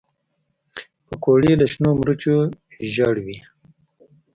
پکورې له شنو مرچو ژړوي